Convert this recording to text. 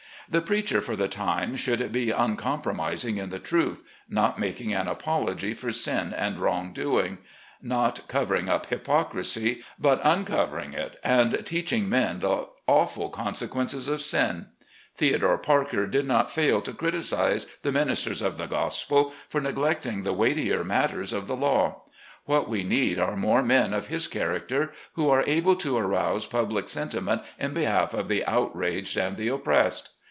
The preacher for the time, should be uncompromising in the truth, not making an apology for sin and wrong doing, not cov ering up hypocrisy, but uncovering it, and teaching men the awful consequences of sin. Theodore Parker did not fail to criticise the ministers of the A DISTINCTION. 105 Gospel for neglecting the weightier matters of the law. What we need are more men of his character who are able to arouse public sentiment in behalf of the outraged and the oppressed.